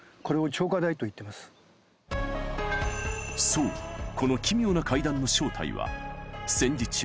そうこの奇妙な階段の正体は戦時中